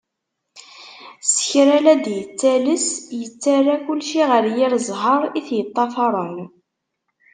S kra la d-yettales, yettarra kulci ɣer yir ẓẓher i t-yeṭṭafaren.